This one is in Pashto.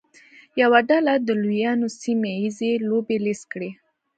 یوه ډله د لویانو سیمه ییزې لوبې لیست کړي.